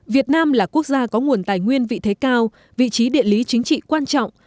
việt nam là quốc gia có nguồn tài nguyên vị thế cao vị trí địa lý chính trị quan trọng